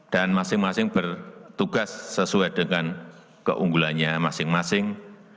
dan masing masing bertugas sesuai dengan keunggulannya masing masing